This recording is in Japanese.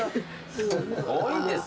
すごいですね。